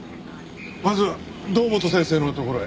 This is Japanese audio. まずは堂本先生のところへ。